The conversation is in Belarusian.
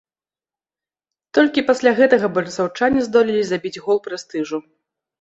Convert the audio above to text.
Толькі пасля гэтага барысаўчане здолелі забіць гол прэстыжу.